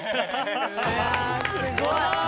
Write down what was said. すごい！